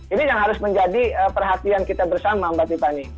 ini yang harus menjadi perhatian kita bersama mbak tiffany